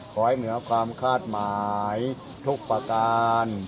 เหนือความคาดหมายทุกประการ